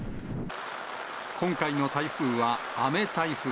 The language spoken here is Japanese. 今回の台風は雨台風。